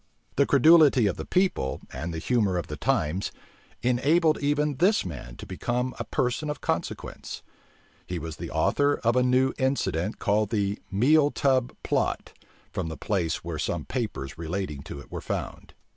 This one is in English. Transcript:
The credulity of the people, and the humor of the times, enabled even this man to become a person of consequence. He was the author of a new incident called the meal tub plot, from the place where some papers relating to it were found.